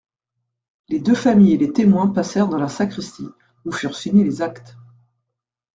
Les deux familles et les témoins passèrent dans la sacristie, où furent signés les actes.